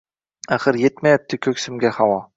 Axir, yetmayapti ko’ksimga havo